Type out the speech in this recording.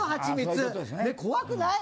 怖くない。